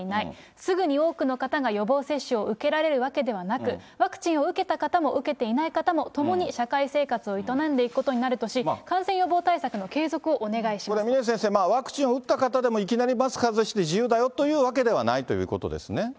すぐに多くの方が予防接種を受けられるわけではなく、ワクチンを受けた方も受けていない方も、共に社会生活を営んでいくことになるとし、感染予防対策の継続をこれは峰先生、ワクチンを打った方でもいきなりマスク外して自由だよというわけではないということですね。